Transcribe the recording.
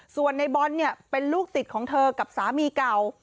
ส่วนในบอลเนี่ยเป็นลูกติดของเธอกับสามีเก่า